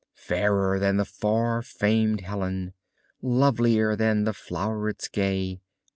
Fairer than the far famed Helen, Lovelier than the flow'rets gay.